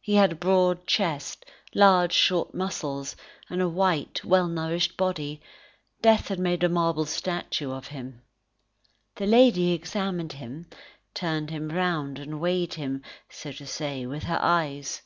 He had a broad chest, large short muscles, and a white, well nourished body; death had made a marble statue of him. The lady examined him, turned him round and weighed him, so to say, with her eyes.